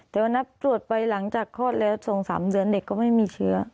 แต่วันนั้นตรวจไปหลังจากคลอดแล้ว๒๓เดือนเด็กก็ไม่มีเชื้อ